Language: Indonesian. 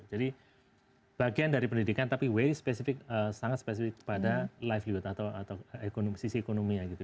jadi bagian dari pendidikan tapi very spesifik sangat spesifik pada livelihood atau sisi ekonominya gitu